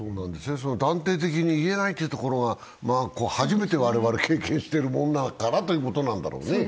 断定的に言えないというところが、初めて我々経験しているものだからということだろうね。